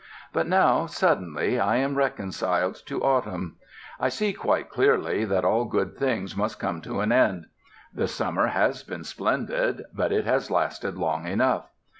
But now, suddenly, I am reconciled to autumn. I see quite clearly that all good things must come to an end. The summer has been splendid, but it has lasted long enough.